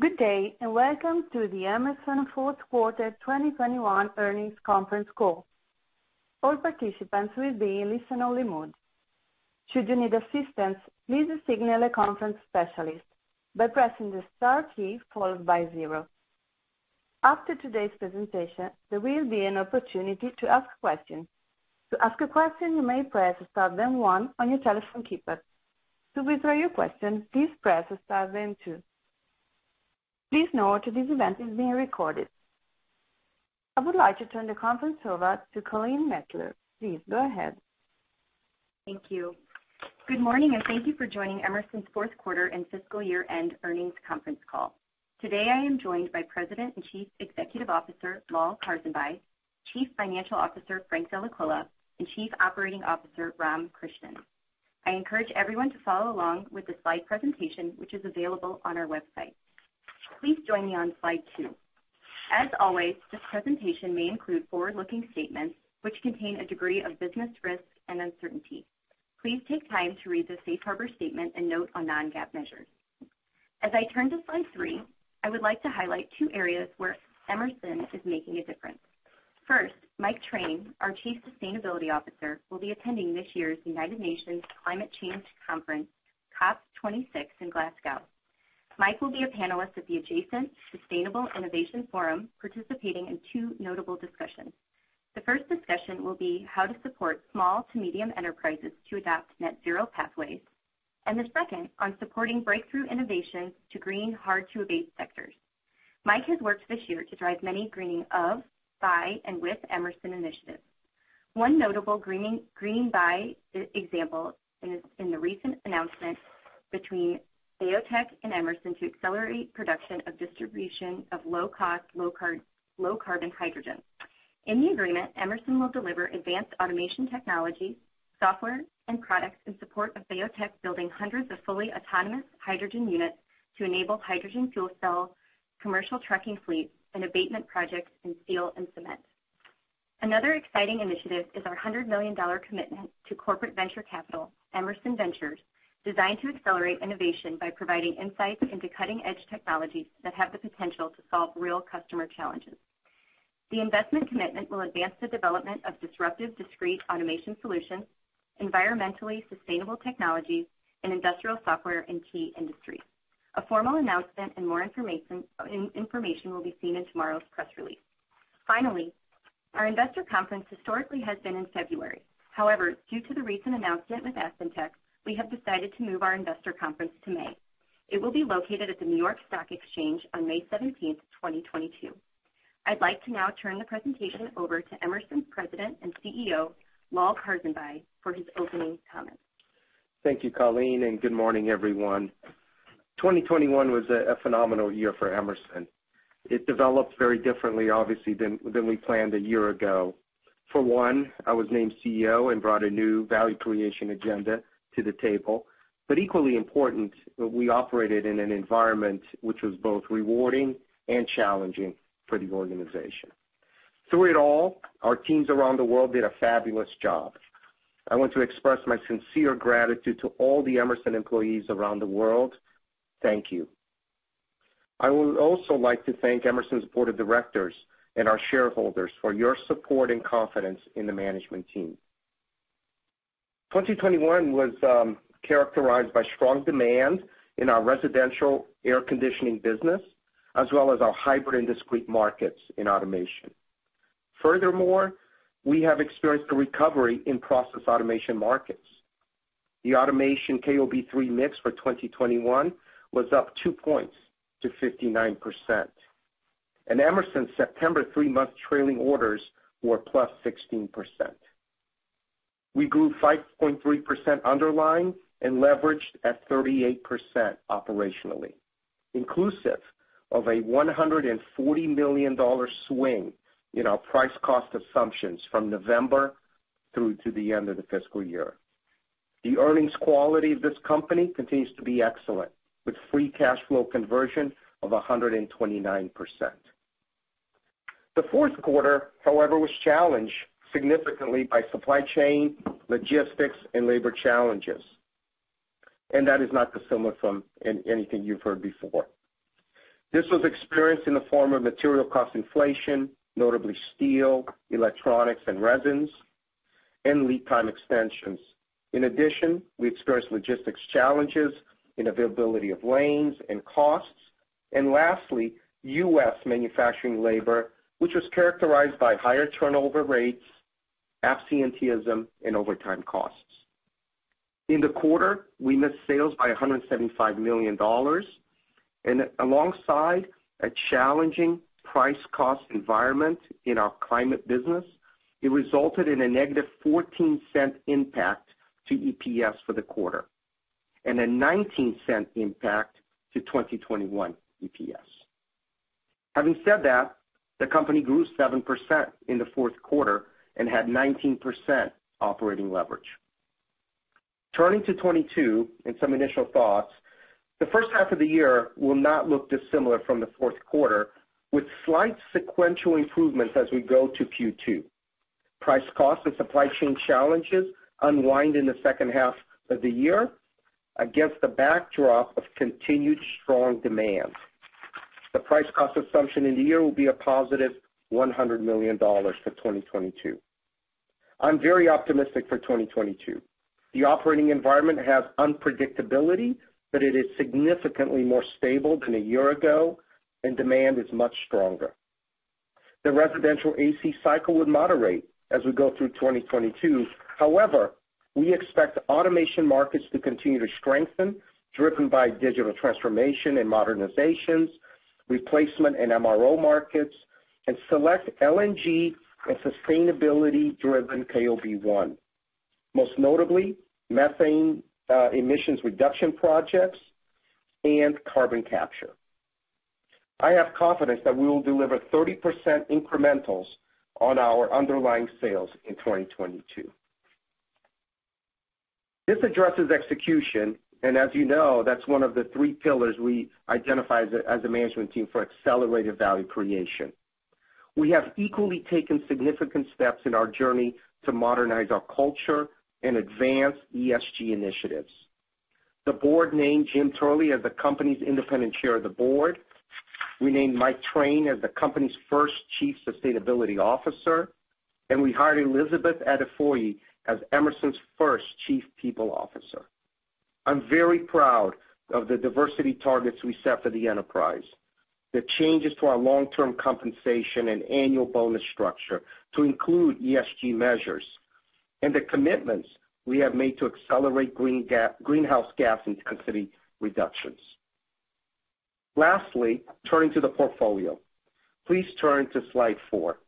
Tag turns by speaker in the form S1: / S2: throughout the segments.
S1: Good day, and welcome to the Emerson Fourth Quarter 2021 Earnings Conference Call. All participants will be in listen-only mode. Should you need assistance, please signal a conference specialist by pressing the star key followed by zero. After today's presentation, there will be an opportunity to ask questions. To ask a question, you may press star then one on your telephone keypad. To withdraw your question, please press star then two. Please note that this event is being recorded. I would like to turn the conference over to Colleen Mettler. Please go ahead.
S2: Thank you. Good morning, and thank you for joining Emerson's fourth quarter and fiscal year-end earnings conference call. Today I am joined by President and Chief Executive Officer, Lal Karsanbhai, Chief Financial Officer, Frank Dellaquila, and Chief Operating Officer, Ram Krishnan. I encourage everyone to follow along with the slide presentation, which is available on our website. Please join me on slide two. As always, this presentation may include forward-looking statements which contain a degree of business risks and uncertainty. Please take time to read the Safe Harbor Statement and note on non-GAAP measures. As I turn to slide three, I would like to highlight two areas where Emerson is making a difference. First, Mike Train, our Chief Sustainability Officer, will be attending this year's United Nations Climate Change Conference, COP26 in Glasgow. Mike will be a panelist at the adjacent Sustainable Innovation Forum, participating in two notable discussions. The first discussion will be how to support small-to-medium enterprises to adopt net-zero pathways, and the second on supporting breakthrough innovations to green hard-to-abate sectors. Mike has worked this year to drive many greening of, by, and with Emerson initiatives. One notable greening by example is in the recent announcement between BayoTech and Emerson to accelerate production and distribution of low-cost, low-carbon hydrogen. In the agreement, Emerson will deliver advanced automation technology, software, and products in support of BayoTech, building hundreds of fully autonomous hydrogen units to enable hydrogen fuel cell commercial trucking fleets, and abatement projects in steel and cement. Another exciting initiative is our $100 million commitment to corporate venture capital, Emerson Ventures, designed to accelerate innovation by providing insights into cutting-edge technologies that have the potential to solve real customer challenges. The investment commitment will advance the development of disruptive discrete automation solutions, environmentally sustainable technologies, and industrial software in key industries. A formal announcement and more information will be seen in tomorrow's press release. Finally, our investor conference historically has been in February. However, due to the recent announcement with AspenTech, we have decided to move our investor conference to May. It will be located at the New York Stock Exchange on May 17th, 2022. I'd like to now turn the presentation over to Emerson's President and CEO, Lal Karsanbhai, for his opening comments.
S3: Thank you, Colleen, and good morning, everyone. 2021 was a phenomenal year for Emerson. It developed very differently, obviously, than we planned a year ago. For one, I was named CEO and brought a new value creation agenda to the table. Equally important, we operated in an environment which was both rewarding and challenging for the organization. Through it all, our teams around the world did a fabulous job. I want to express my sincere gratitude to all the Emerson employees around the world. Thank you. I would also like to thank Emerson's Board of Directors and our shareholders for your support and confidence in the management team. 2021 was characterized by strong demand in our residential air conditioning business, as well as our hybrid and discrete markets in automation. Furthermore, we have experienced a recovery in process automation markets. The automation KOB3 mix for 2021 was up 2 points to 59%. Emerson's September three-month trailing orders were +16%. We grew 5.3% underlying and leveraged at 38% operationally, inclusive of a $140 million swing in our price cost assumptions from November through to the end of the fiscal year. The earnings quality of this company continues to be excellent, with free cash flow conversion of 129%. The fourth quarter, however, was challenged significantly by supply chain, logistics, and labor challenges, and that is not dissimilar from anything you've heard before. This was experienced in the form of material cost inflation, notably steel, electronics and resins, and lead time extensions. In addition, we experienced logistics challenges in availability of lanes and costs. Lastly, U.S. manufacturing labor, which was characterized by higher turnover rates, absenteeism, and overtime costs. In the quarter, we missed sales by $175 million. Alongside a challenging price cost environment in our climate business, it resulted in a negative $0.14 impact to EPS for the quarter, and a $0.19 impact to 2021 EPS. Having said that, the company grew 7% in the fourth quarter and had 19% operating leverage. Turning to 2022 and some initial thoughts, the first half of the year will not look dissimilar from the fourth quarter, with slight sequential improvements as we go to Q2. Price cost and supply chain challenges unwind in the second half of the year against the backdrop of continued strong demand. The price cost assumption in the year will be a positive $100 million for 2022. I'm very optimistic for 2022. The operating environment has unpredictability, but it is significantly more stable than a year ago and demand is much stronger. The residential AC cycle would moderate as we go through 2022. However, we expect automation markets to continue to strengthen, driven by digital transformation and modernizations, replacement and MRO markets, and select LNG and sustainability-driven KOB1. Most notably, methane emissions reduction projects and carbon capture. I have confidence that we will deliver 30% incrementals on our underlying sales in 2022. This addresses execution, and as you know, that's one of the three pillars we identify as a management team for accelerated value creation. We have equally taken significant steps in our journey to modernize our culture and advance ESG initiatives. The board named Jim Turley as the company's Independent Chair of the Board. We named Mike Train as the company's first Chief Sustainability Officer, and we hired Elizabeth Adefioye as Emerson's first Chief People Officer. I'm very proud of the diversity targets we set for the enterprise, the changes to our long-term compensation and annual bonus structure to include ESG measures, and the commitments we have made to accelerate greenhouse gas intensity reductions. Lastly, turning to the portfolio. Please turn to slide four.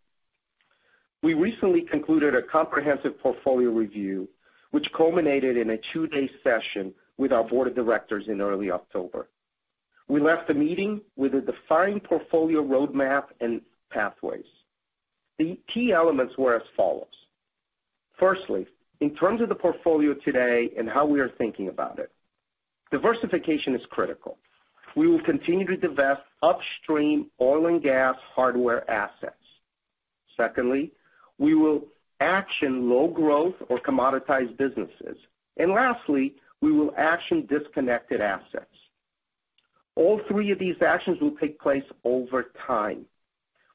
S3: We recently concluded a comprehensive portfolio review, which culminated in a two-day session with our Board of Directors in early October. We left the meeting with a defined portfolio roadmap and pathways. The key elements were as follows. Firstly, in terms of the portfolio today and how we are thinking about it, diversification is critical. We will continue to divest upstream oil and gas hardware assets. Secondly, we will action low growth or commoditized businesses. Lastly, we will action disconnected assets. All three of these actions will take place over time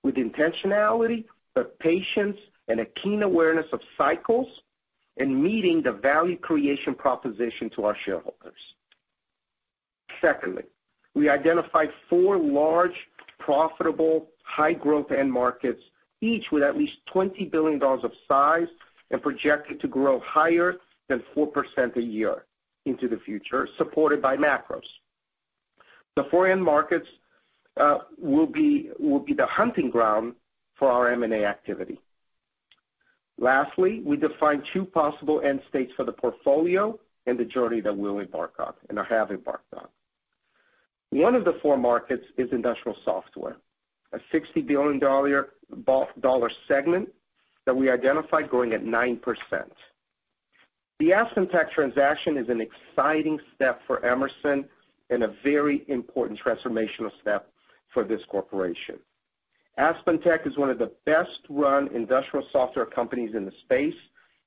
S3: with intentionality, but patience and a keen awareness of cycles and meeting the value creation proposition to our shareholders. Secondly, we identified four large, profitable, high growth end markets, each with at least $20 billion of size and projected to grow higher than 4% a year into the future, supported by macros. The four end markets will be the hunting ground for our M&A activity. Lastly, we defined two possible end states for the portfolio and the journey that we'll embark on, and have embarked on. One of the four markets is industrial software, a $60 billion segment that we identified growing at 9%. The AspenTech transaction is an exciting step for Emerson and a very important transformational step for this corporation. AspenTech is one of the best run industrial software companies in the space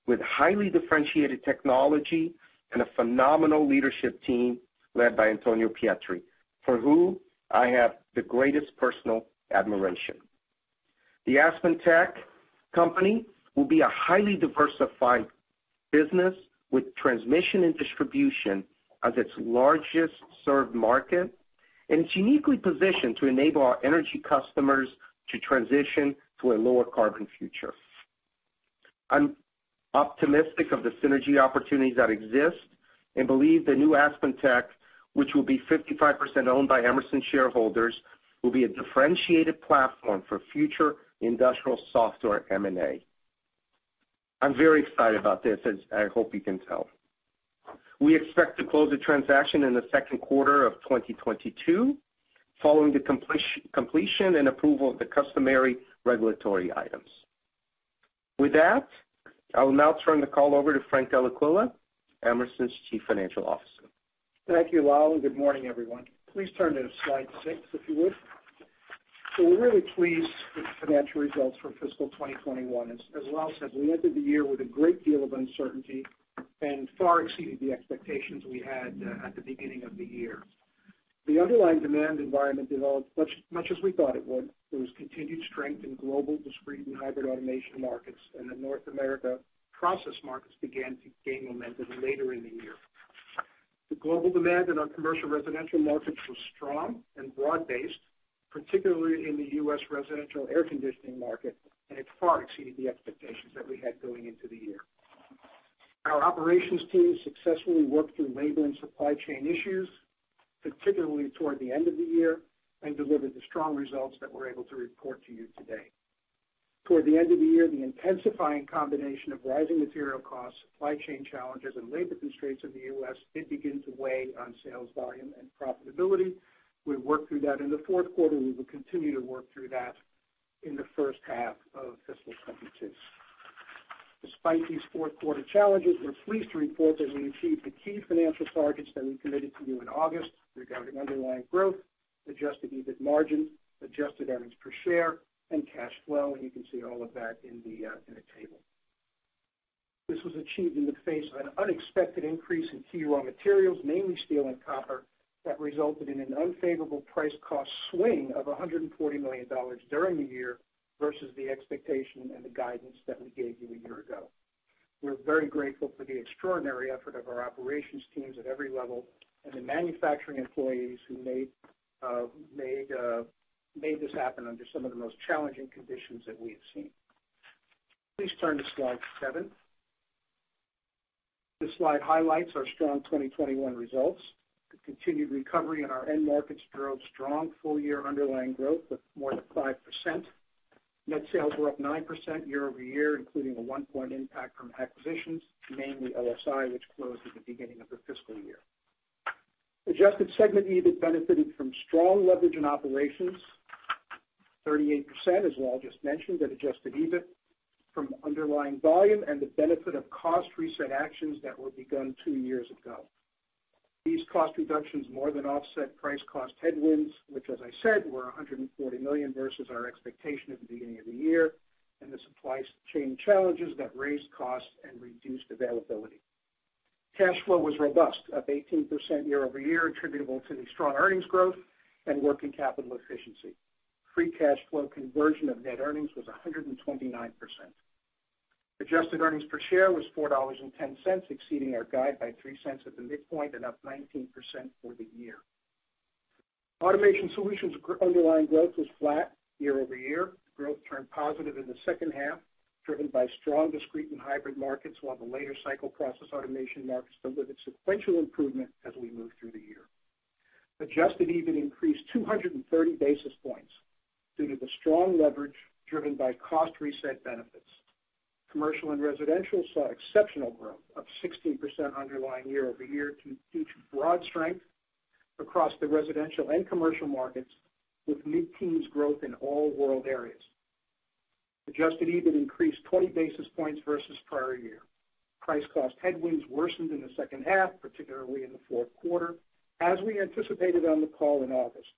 S3: with highly differentiated technology and a phenomenal leadership team led by Antonio Pietri, for who I have the greatest personal admiration. The AspenTech company will be a highly diversified business with transmission and distribution as its largest served market, and it's uniquely positioned to enable our energy customers to transition to a lower carbon future. I'm optimistic of the synergy opportunities that exist and believe the new AspenTech, which will be 55% owned by Emerson shareholders, will be a differentiated platform for future industrial software M&A. I'm very excited about this, as I hope you can tell. We expect to close the transaction in the second quarter of 2022, following the completion and approval of the customary regulatory items. With that, I will now turn the call over to Frank Dellaquila, Emerson's Chief Financial Officer.
S4: Thank you, Lal, and good morning, everyone. Please turn to slide six, if you would. We're really pleased with the financial results for fiscal 2021. As Lal said, we ended the year with a great deal of uncertainty and far exceeded the expectations we had at the beginning of the year. The underlying demand environment developed much, much as we thought it would. There was continued strength in global discrete and hybrid automation markets, and the North America process markets began to gain momentum later in the year. The global demand in our commercial residential markets was strong and broad-based, particularly in the U.S. residential air conditioning market, and it far exceeded the expectations that we had going into the year. Our operations team successfully worked through labor and supply chain issues, particularly toward the end of the year, and delivered the strong results that we're able to report to you today. Toward the end of the year, the intensifying combination of rising material costs, supply chain challenges, and labor constraints in the U.S. did begin to weigh on sales volume and profitability. We worked through that in the fourth quarter. We will continue to work through that in the first half of fiscal 2022. Despite these fourth quarter challenges, we're pleased to report that we achieved the key financial targets that we committed to you in August regarding underlying growth, Adjusted EBIT margin, adjusted earnings per share, and cash flow, and you can see all of that in the table. This was achieved in the face of an unexpected increase in key raw materials, namely steel and copper, that resulted in an unfavorable price cost swing of $140 million during the year versus the expectation and the guidance that we gave you a year ago. We're very grateful for the extraordinary effort of our operations teams at every level and the manufacturing employees who made this happen under some of the most challenging conditions that we have seen. Please turn to slide seven. This slide highlights our strong 2021 results. The continued recovery in our end markets drove strong full year underlying growth of more than 5%. Net sales were up 9% year-over-year, including a 1% impact from acquisitions, namely LSI, which closed at the beginning of the fiscal year. Adjusted segment EBIT benefited from strong leverage in operations, 38%, as well just mentioned, at Adjusted EBIT from underlying volume and the benefit of cost reset actions that were begun two years ago. These cost reductions more than offset price-cost headwinds, which as I said, were $140 million versus our expectation at the beginning of the year, and the supply chain challenges that raised costs and reduced availability. Cash flow was robust, up 18% year-over-year attributable to the strong earnings growth and working capital efficiency. Free cash flow conversion of net earnings was 129%. Adjusted earnings per share was $4.10, exceeding our guide by $0.03 at the midpoint and up 19% for the year. Automation Solutions underlying growth was flat year-over-year. Growth turned positive in the second half, driven by strong discrete and hybrid markets, while the later cycle process automation markets delivered sequential improvement as we moved through the year. Adjusted EBIT increased 230 basis points due to the strong leverage driven by cost reset benefits. Commercial and residential saw exceptional growth of 16% underlying year-over-year due to broad strength across the residential and commercial markets with mid-teens growth in all world areas. Adjusted EBIT increased 20 basis points versus prior year. Price cost headwinds worsened in the second half, particularly in the fourth quarter, as we anticipated on the call in August,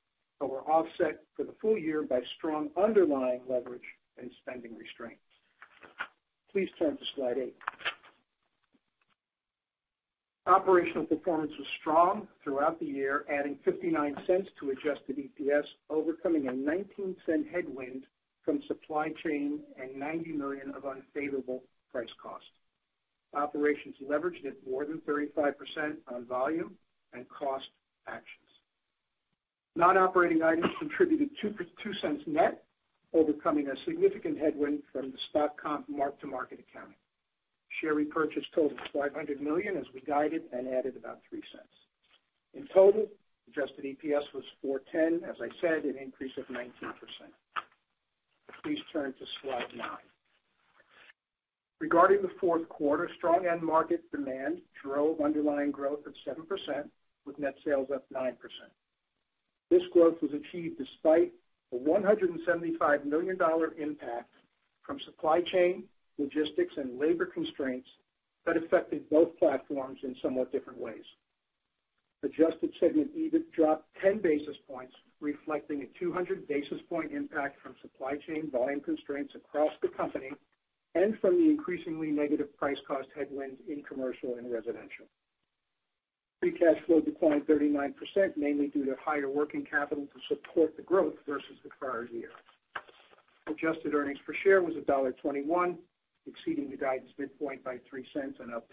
S4: but were offset for the full year by strong underlying leverage and spending restraints. Please turn to slide eight. Operational performance was strong throughout the year, adding $0.59 to adjusted EPS, overcoming a $0.19 Headwind from supply chain and $90 million of unfavorable price cost. Operations leveraged at more than 35% on volume and cost actions. Non-operating items contributed two cents net, overcoming a significant headwind from the stock comp mark-to-market accounting. Share repurchase totaled $500 million as we guided and added about three cents. In total, Adjusted EPS was $4.10, as I said, an increase of 19%. Please turn to slide nine. Regarding the fourth quarter, strong end market demand drove underlying growth of 7% with net sales up 9%. This growth was achieved despite a $175 million impact from supply chain, logistics, and labor constraints that affected both platforms in somewhat different ways. Adjusted segment EBIT dropped 10 basis points, reflecting a 200 basis point impact from supply chain volume constraints across the company and from the increasingly negative price cost headwind in commercial and residential. Free cash flow declined 39%, mainly due to higher working capital to support the growth versus the prior year. Adjusted earnings per share was $1.21, exceeding the guidance midpoint by $0.03 and up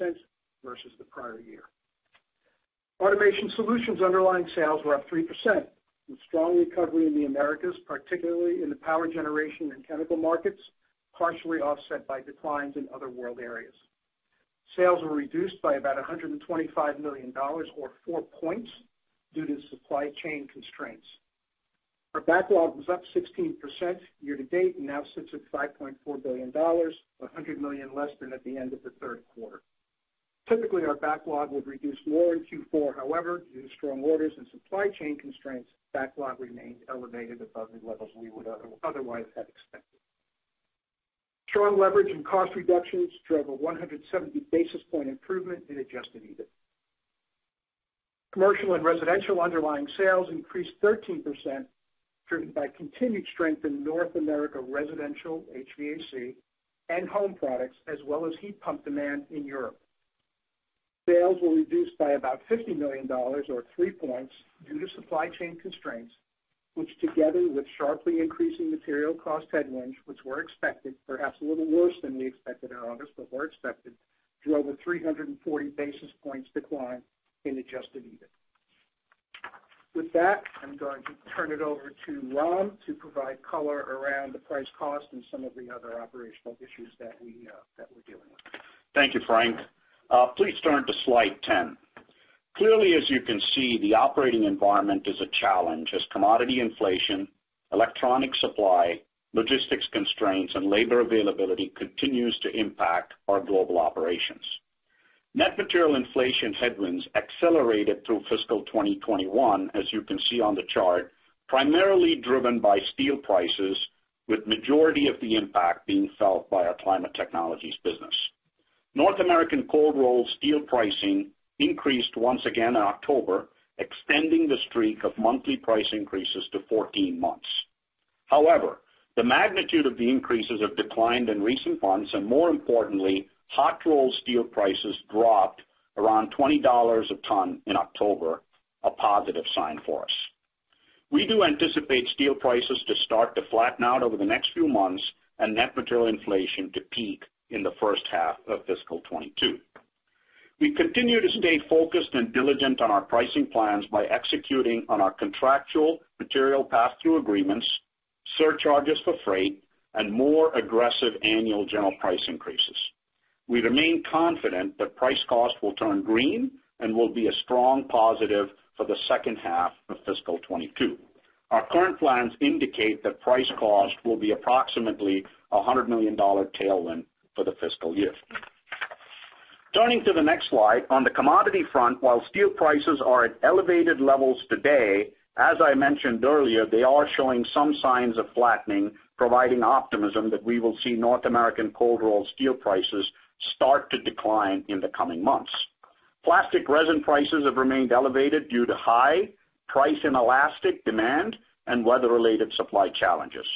S4: 10% versus the prior year. Automation Solutions underlying sales were up 3%, with strong recovery in the Americas, particularly in the power generation and chemical markets, partially offset by declines in other world areas. Sales were reduced by about $125 million or 4 points due to supply chain constraints. Our backlog was up 16% year-to-date and now sits at $5.4 billion, $100 million less than at the end of the third quarter. Typically, our backlog would reduce more in Q4. However, due to strong orders and supply chain constraints, backlog remained elevated above the levels we would otherwise have expected. Strong leverage and cost reductions drove a 170 basis point improvement in Adjusted EBIT. Commercial and Residential underlying sales increased 13% driven by continued strength in North America residential HVAC and home products as well as heat pump demand in Europe. Sales were reduced by about $50 million or 3 points due to supply chain constraints, which together with sharply increasing material cost headwinds, which were expected, perhaps a little worse than we expected in August, but were expected, drove a 340 basis points decline in Adjusted EBIT. With that, I'm going to turn it over to Ram to provide color around the price cost and some of the other operational issues that we're dealing with.
S5: Thank you, Frank. Please turn to slide 10. Clearly, as you can see, the operating environment is a challenge as commodity inflation, electronics supply, logistics constraints, and labor availability continues to impact our global operations. Net material inflation headwinds accelerated through fiscal 2021, as you can see on the chart, primarily driven by steel prices, with majority of the impact being felt by our climate technologies business. North American cold rolled steel pricing increased once again in October, extending the streak of monthly price increases to 14 months. However, the magnitude of the increases have declined in recent months, and more importantly, hot rolled steel prices dropped around $20 a ton in October, a positive sign for us. We do anticipate steel prices to start to flatten out over the next few months, and net material inflation to peak in the first half of fiscal 2022. We continue to stay focused and diligent on our pricing plans by executing on our contractual material passthrough agreements, surcharges for freight, and more aggressive annual general price increases. We remain confident that price cost will turn green and will be a strong positive for the second half of fiscal 2022. Our current plans indicate that price cost will be approximately $100 million tailwind for the fiscal year. Turning to the next slide. On the commodity front, while steel prices are at elevated levels today, as I mentioned earlier, they are showing some signs of flattening, providing optimism that we will see North American cold rolled steel prices start to decline in the coming months. Plastic resin prices have remained elevated due to high price and elastic demand and weather-related supply challenges.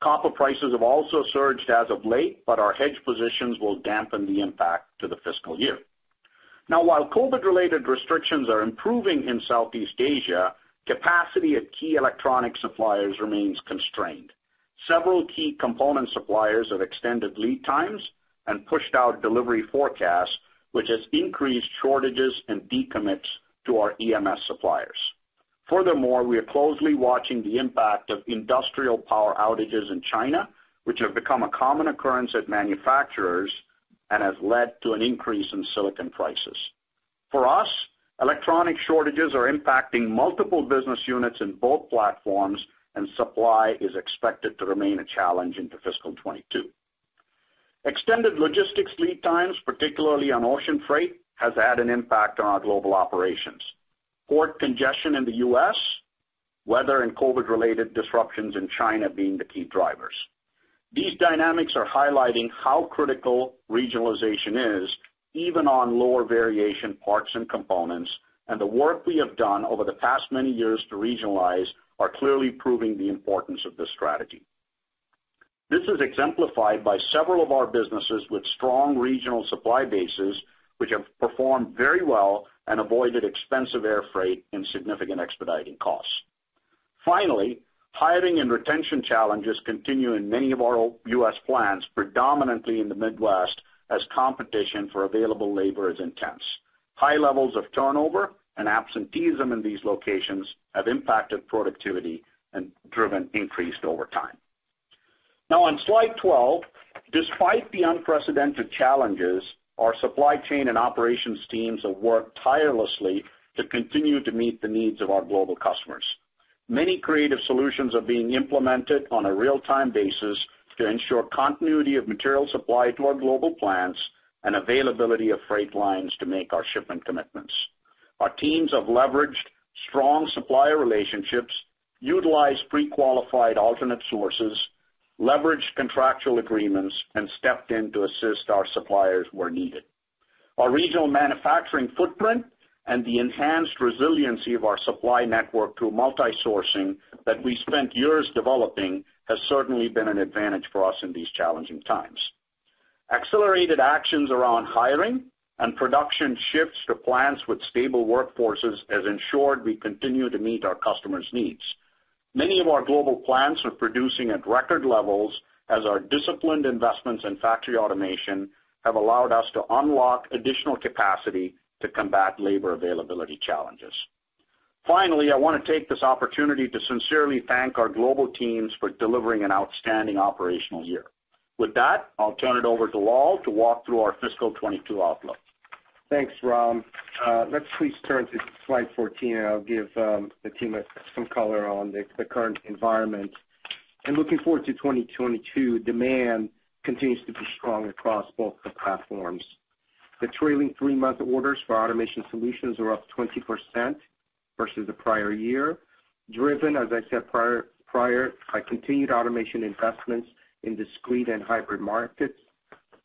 S5: Copper prices have also surged as of late, but our hedge positions will dampen the impact to the fiscal year. Now, while COVID-related restrictions are improving in Southeast Asia, capacity at key electronic suppliers remains constrained. Several key component suppliers have extended lead times and pushed out delivery forecasts, which has increased shortages and decommits to our EMS suppliers. Furthermore, we are closely watching the impact of industrial power outages in China, which have become a common occurrence at manufacturers and has led to an increase in silicon prices. For us, electronic shortages are impacting multiple business units in both platforms, and supply is expected to remain a challenge into FY 2022. Extended logistics lead times, particularly on ocean freight, has had an impact on our global operations, port congestion in the U.S., weather, and COVID-related disruptions in China being the key drivers. These dynamics are highlighting how critical regionalization is, even on lower variation parts and components, and the work we have done over the past many years to regionalize are clearly proving the importance of this strategy. This is exemplified by several of our businesses with strong regional supply bases, which have performed very well and avoided expensive air freight and significant expediting costs. Finally, hiring and retention challenges continue in many of our U.S. plants, predominantly in the Midwest, as competition for available labor is intense. High levels of turnover and absenteeism in these locations have impacted productivity and driven increased overtime. Now on slide 12, despite the unprecedented challenges, our supply chain and operations teams have worked tirelessly to continue to meet the needs of our global customers. Many creative solutions are being implemented on a real-time basis to ensure continuity of material supply to our global plants and availability of freight lines to make our shipment commitments. Our teams have leveraged strong supplier relationships, utilized pre-qualified alternate sources, leveraged contractual agreements, and stepped in to assist our suppliers where needed. Our regional manufacturing footprint and the enhanced resiliency of our supply network through multi-sourcing that we spent years developing has certainly been an advantage for us in these challenging times. Accelerated actions around hiring and production shifts to plants with stable workforces has ensured we continue to meet our customers' needs. Many of our global plants are producing at record levels as our disciplined investments in factory automation have allowed us to unlock additional capacity to combat labor availability challenges. Finally, I wanna take this opportunity to sincerely thank our global teams for delivering an outstanding operational year. With that, I'll turn it over to Lal to walk through our fiscal 2022 outlook.
S3: Thanks, Ram. Let's please turn to slide 14, and I'll give the team some color on the current environment. In looking forward to 2022, demand continues to be strong across both the platforms. The trailing three-month orders for Automation Solutions are up 20% versus the prior year, driven, as I said prior by continued automation investments in discrete and hybrid markets,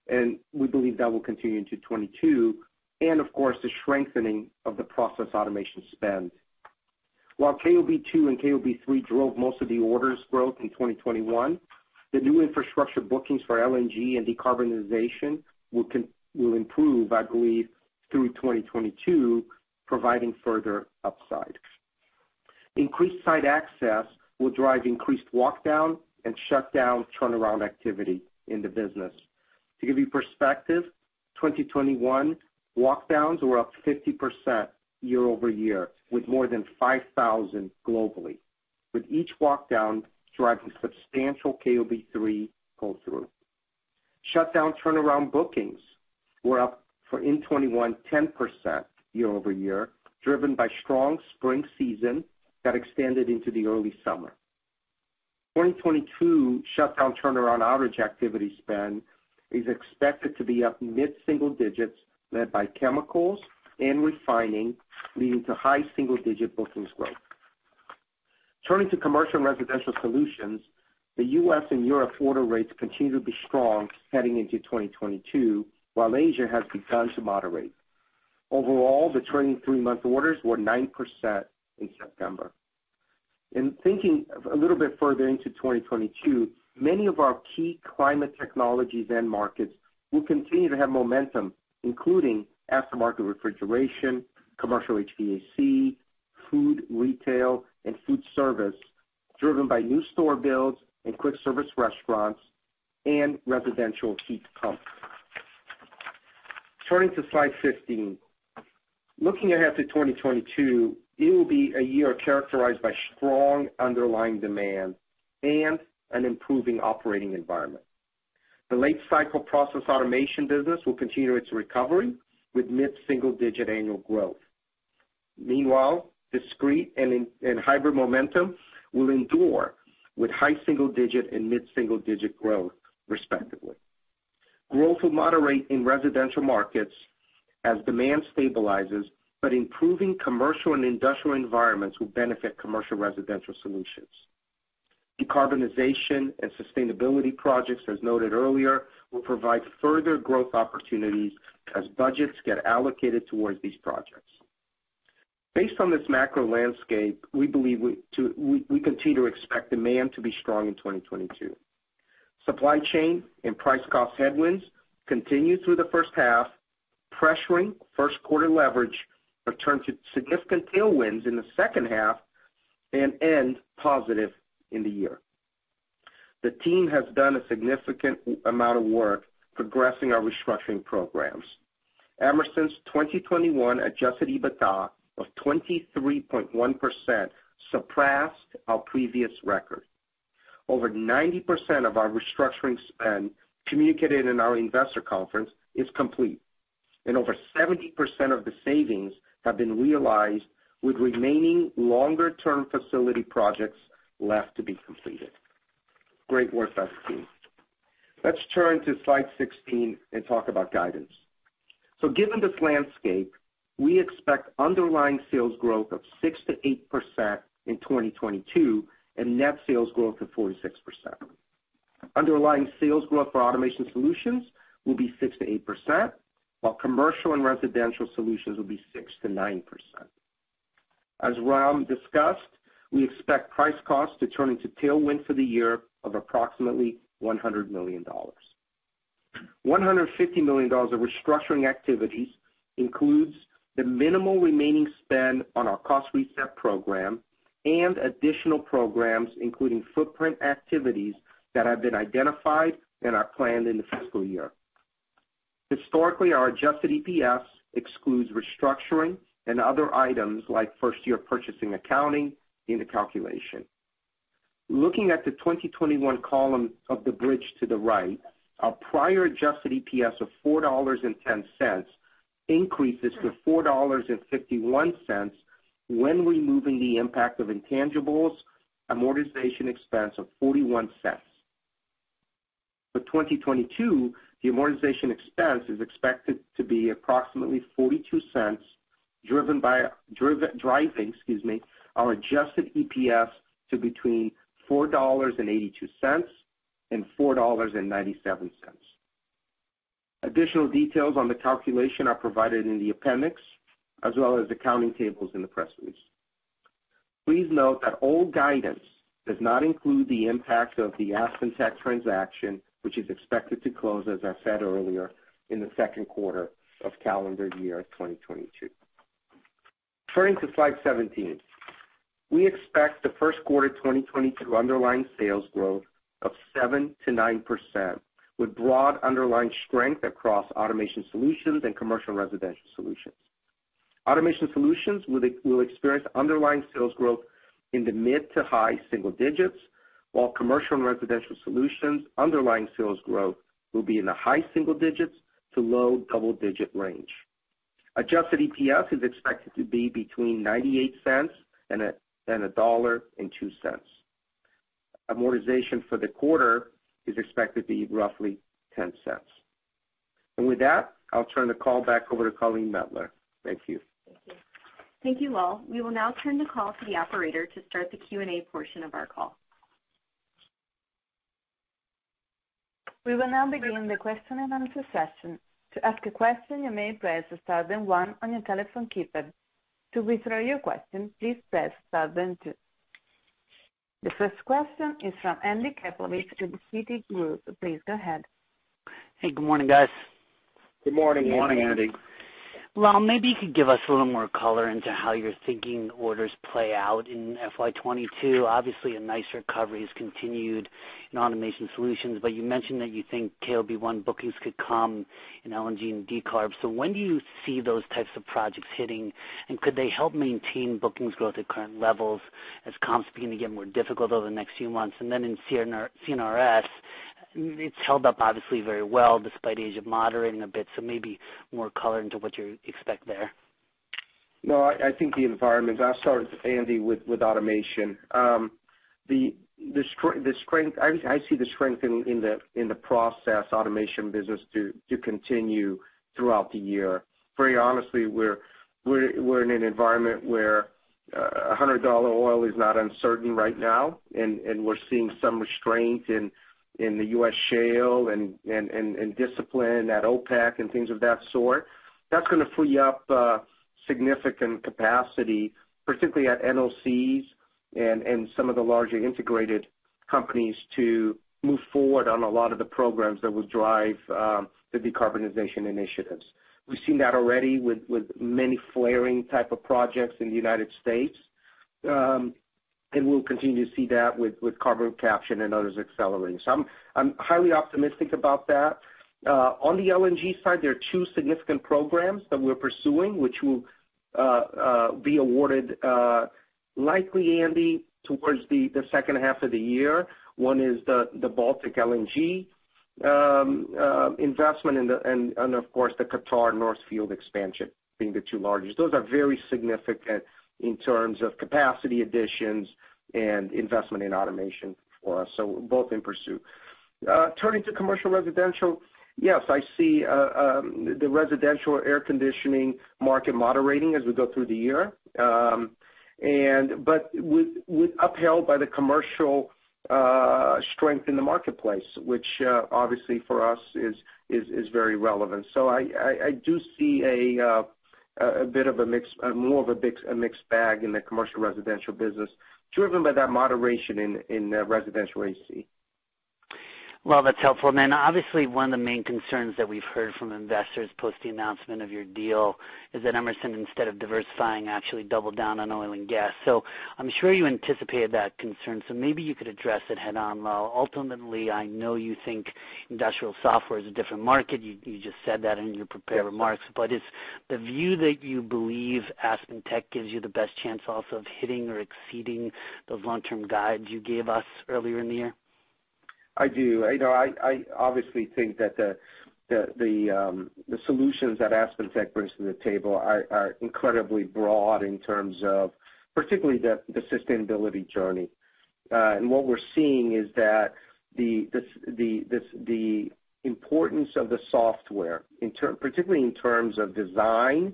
S3: and we believe that will continue into 2022, and of course, the strengthening of the Process Automation spend. While KOB2 and KOB3 drove most of the orders growth in 2021, the new infrastructure bookings for LNG and decarbonization will improve, I believe, through 2022, providing further upside. Increased site access will drive increased walk down and shut down turnaround activity in the business. To give you perspective, 2021 walk downs were up 50% year-over-year, with more than 5,000 globally, with each walk down driving substantial KOB3 pull-through. Shutdown turnaround bookings were up 40% in 2021, 10% year-over-year, driven by strong spring season that extended into the early summer. 2022 shutdown turnaround outage activity spend is expected to be up mid-single digits, led by chemicals and refining, leading to high single-digit bookings growth. Turning to Commercial & Residential Solutions, the U.S. and Europe order rates continue to be strong heading into 2022, while Asia has begun to moderate. Overall, the 23-month orders were 9% in September. In thinking a little bit further into 2022, many of our key climate technologies and markets will continue to have momentum, including aftermarket refrigeration, commercial HVAC, food retail, and food service driven by new store builds and quick service restaurants and residential heat pumps. Turning to slide 15. Looking ahead to 2022, it will be a year characterized by strong underlying demand and an improving operating environment. The late cycle Process Automation business will continue its recovery with mid-single-digit annual growth. Meanwhile, Discrete and Hybrid momentum will endure with high-single-digit and mid-single-digit growth respectively. Growth will moderate in residential markets as demand stabilizes, but improving commercial and industrial environments will benefit Commercial & Residential Solutions. Decarbonization and sustainability projects, as noted earlier, will provide further growth opportunities as budgets get allocated towards these projects. Based on this macro landscape, we believe we continue to expect demand to be strong in 2022. Supply chain and price cost headwinds continue through the first half, pressuring first quarter leverage but turn to significant tailwinds in the second half and end positive in the year. The team has done a significant amount of work progressing our restructuring programs. Emerson's 2021 Adjusted EBITDA of 23.1% surpassed our previous record. Over 90% of our restructuring spend communicated in our investor conference is complete, and over 70% of the savings have been realized with remaining longer term facility projects left to be completed. Great work by the team. Let's turn to slide 16 and talk about guidance. Given this landscape, we expect underlying sales growth of 6%-8% in 2022 and net sales growth of 46%. Underlying sales growth for Automation Solutions will be 6%-8% while Commercial & Residential Solutions will be 6%-9%. As Ram discussed, we expect price cost to turn into tailwind for the year of approximately $100 million. $150 million of restructuring activities includes the minimal remaining spend on our cost reset program and additional programs including footprint activities that have been identified and are planned in the fiscal year. Historically, our Adjusted EPS excludes restructuring and other items like first-year purchase accounting in the calculation. Looking at the 2021 column of the bridge to the right, our prior Adjusted EPS of $4.10 increases to $4.51 when removing the impact of intangibles amortization expense of $0.41. For 2022, the amortization expense is expected to be approximately $0.42 driving, excuse me, our Adjusted EPS to between $4.82 and $4.97. Additional details on the calculation are provided in the appendix as well as accounting tables in the press release. Please note that all guidance does not include the impact of the AspenTech transaction which is expected to close, as I said earlier, in the second quarter of calendar year 2022. Turning to slide 17. We expect the first quarter 2022 underlying sales growth of 7%-9% with broad underlying strength across Automation Solutions and Commercial & Residential Solutions. Automation Solutions will experience underlying sales growth in the mid- to high-single-digit %, while Commercial & Residential Solutions underlying sales growth will be in the high-single- to low-double-digit % range. Adjusted EPS is expected to be between $0.98 and $1.02. Amortization for the quarter is expected to be roughly $0.10. With that, I'll turn the call back over to Colleen Mettler. Thank you.
S2: Thank you, Lal. We will now turn the call to the operator to start the Q&A portion of our call.
S1: We will now begin the question-and-answer session. To ask a question, you may press star then one on your telephone keypad. To withdraw your question, please press star then two. The first question is from Andy Kaplowitz from Citigroup. Please go ahead.
S6: Hey, good morning, guys.
S3: Good morning, Andy.
S2: Good morning, Andy.
S6: Lal, maybe you could give us a little more color into how you're thinking orders play out in FY 2022. Obviously, a nice recovery has continued in Automation Solutions, but you mentioned that you think KOB1 bookings could come in LNG and decarb. When do you see those types of projects hitting? Could they help maintain bookings growth at current levels as comps begin to get more difficult over the next few months? In C&RS, it's held up obviously very well despite a bit of moderating. Maybe more color into what you expect there.
S3: No, I think the environment. I'll start, Andy, with automation. The strength. I see the strength in the process automation business to continue throughout the year. Very honestly, we're in an environment where $100 oil is not uncertain right now, and we're seeing some restraint in the U.S. shale and discipline at OPEC and things of that sort. That's gonna free up significant capacity, particularly at NOCs and some of the larger integrated companies to move forward on a lot of the programs that will drive the decarbonization initiatives. We've seen that already with many flaring type of projects in the United States. And we'll continue to see that with carbon capture and others accelerating. I'm highly optimistic about that. On the LNG side, there are two significant programs that we're pursuing, which will be awarded likely, Andy, towards the second half of the year. One is the Baltic LNG investment and, of course, the Qatar's North Field expansion being the two largest. Those are very significant in terms of capacity additions and investment in automation for us, so both in pursuit. Turning to Commercial & Residential, yes, I see the residential air conditioning market moderating as we go through the year, but upheld by the commercial strength in the marketplace, which obviously for us is very relevant. I do see a bit of a mix, more of a mix, a mixed bag in the Commercial & Residential business driven by that moderation in residential AC.
S6: Well, that's helpful. Obviously one of the main concerns that we've heard from investors post the announcement of your deal is that Emerson, instead of diversifying, actually doubled down on oil and gas. I'm sure you anticipated that concern, so maybe you could address it head on, Lal. Ultimately, I know you think industrial software is a different market. You just said that in your prepared remarks. Is the view that you believe AspenTech gives you the best chance also of hitting or exceeding those long-term guides you gave us earlier in the year?
S3: I do. You know, I obviously think that the solutions that AspenTech brings to the table are incredibly broad in terms of particularly the sustainability journey. What we're seeing is that the importance of the software particularly in terms of design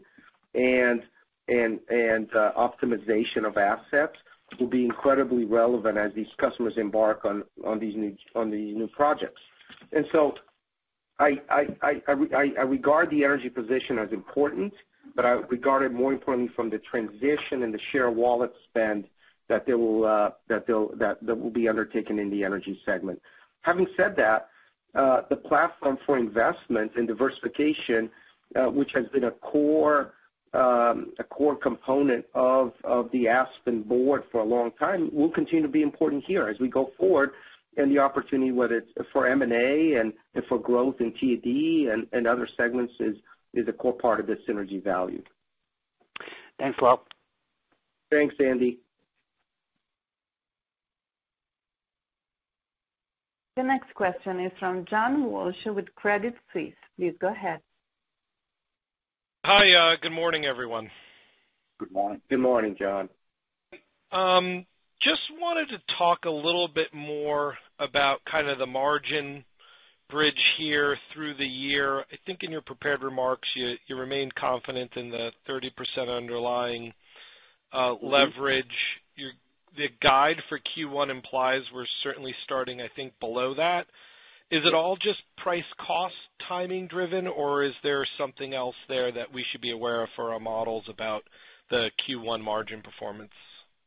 S3: and optimization of assets will be incredibly relevant as these customers embark on these new projects. I regard the energy position as important, but I regard it more importantly from the transition and the share wallet spend that they'll undertake in the energy segment. Having said that, the platform for investment and diversification, which has been a core component of the Aspen board for a long time, will continue to be important here as we go forward. The opportunity, whether it's for M&A and for growth in T&D and other segments is a core part of the synergy value.
S6: Thanks, Lal.
S3: Thanks, Andy.
S1: The next question is from John Walsh with Credit Suisse. Please go ahead.
S7: Hi, good morning, everyone.
S5: Good morning.
S3: Good morning, John.
S7: Just wanted to talk a little bit more about kind of the margin bridge here through the year. I think in your prepared remarks, you remained confident in the 30% underlying leverage. Your guide for Q1 implies we're certainly starting, I think, below that. Is it all just price-cost timing driven, or is there something else there that we should be aware of for our models about the Q1 margin performance?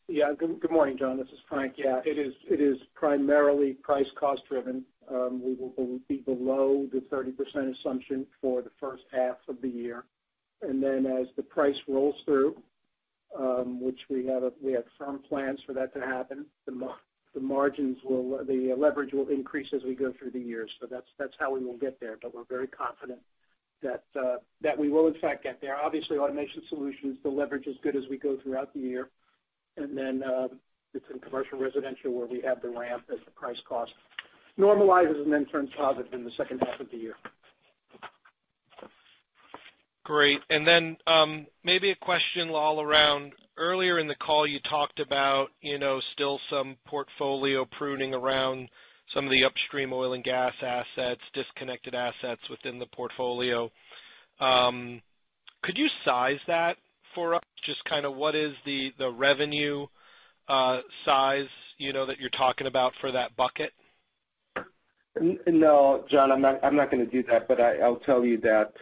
S4: Yeah. Good morning, John. This is Frank. Yeah, it is primarily price-cost driven. We will be below the 30% assumption for the first half of the year. Then as the price rolls through, which we have firm plans for that to happen, the margins will, the leverage will increase as we go through the year. That's how we will get there, but we're very confident that we will in fact get there. Obviously, Automation Solutions, the leverage is good as we go throughout the year. Then, it's in commercial residential where we have the ramp as the price-cost normalizes and then turns positive in the second half of the year.
S7: Great. Maybe a question, Lal, around earlier in the call you talked about, you know, still some portfolio pruning around some of the upstream oil and gas assets, disconnected assets within the portfolio. Could you size that for us? Just kind of what is the revenue size, you know, that you're talking about for that bucket?
S3: No, John, I'm not gonna do that, but I'll tell you that